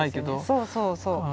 そうそうそう。